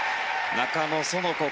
中野園子